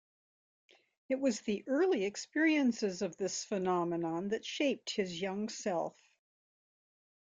It was the early experiences of this phenomenon that shaped his young self.